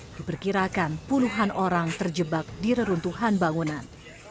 diperkirakan puluhan orang terjebak di reruntuhan bangunan